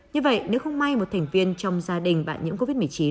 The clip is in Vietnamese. như vậy nếu không may một thành viên trong gia đình bạn nhiễm covid một mươi chín